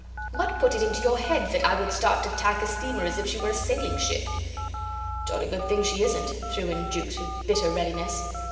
What put it into your head that I would start to tack a steamer as if she were a sailing ship?" "Jolly good thing she isn't," threw in Jukes, with bitter readiness.